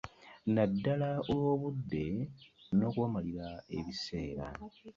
Naddala olw'obudde n'okubamalira ebiseera.